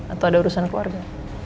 ada urusan keluarga